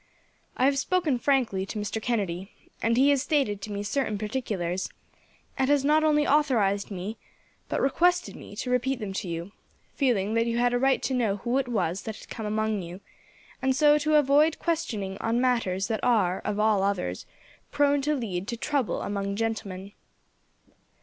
I have spoken frankly to Mr. Kennedy, and he has stated to me certain particulars, and has not only authorized me, but requested me to repeat them to you, feeling that you had a right to know who it was that had come among you, and so to avoid questioning on matters that are, of all others, prone to lead to trouble among gentlemen.